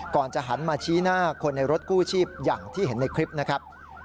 ก่อนจะหันมาชี้หน้าคนในรถกู้ชีพอย่างที่เห็นในคลิปนะครับ